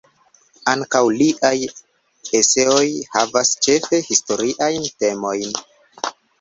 Ankaŭ liaj eseoj havas ĉefe historiajn temojn.